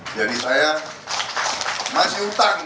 jadi saya masih utang